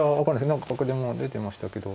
何か角出も出てましたけど。